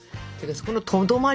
そのとどまり。